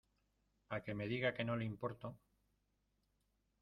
a que me diga que no le importo.